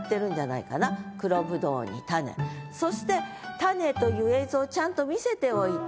そして種という映像をちゃんと見せておいて